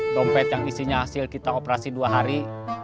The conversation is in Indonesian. dompet yang isinya hasil kita operasi dua hari